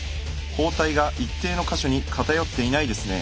包帯が一定の箇所に偏っていないですね。